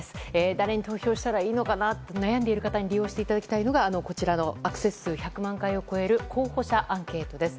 誰に投票したらいいのかなと悩んでる方に利用していただきたいのがアクセス数１００万回を超える候補者アンケートです。